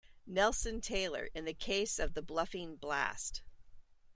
Nelson Taylor in The Case of the Bluffing Blast.